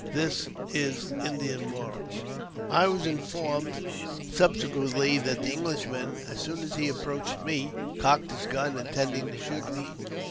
This is Indian morals. I was informed subsequently that the Englishman, as soon as he approached me, cocked his gun, intending to shoot me.